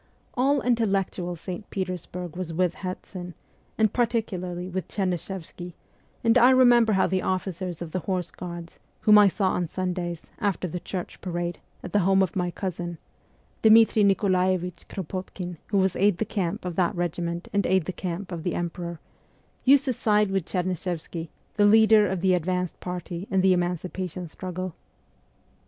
All intellectual St. Petersburg was with Herzen, and particularly with Chernyshe'vsky, and I remember how the officers of the Horse Guards, whom I saw on THE COEPS OF PAGES 153 Sundays, after the church parade, at the home of my cousin (Dmitri Nikolaevich Kropotkin, who was aide de camp of that regiment and aide de camp of the emperor), used to side with Chernyshevsky, the leader of the advanced party in the emancipation struggle.